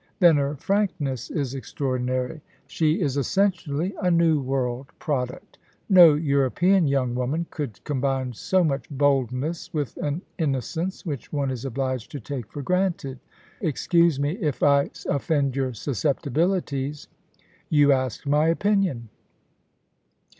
Then her frankness is extraordinary. She AN AUSTRALIAN EXPLORER. 67 is essentially a New World product No European young woman could combine so much boldness with an innocence which one is obliged to take for granted. Excuse me if I offend your susceptibilities ; you asked my opinion.'